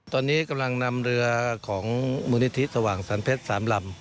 ตอนนี้กำลังนำเรือของมูลนิธิสว่างสรรเพชร๓ลำ